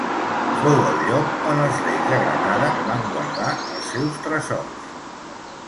Fou el lloc on els reis de Granada van guardar els seus tresors.